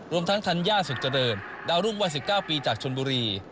รวมทั้งธัญญาสุขเจริญดาวรุ่งวัย๑๙ปีจากชนบุรี